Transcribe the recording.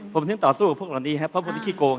ผมถึงต่อสู้กับพวกเหล่านี้ฮะเพราะพวกนี้ขี้โกงฮะ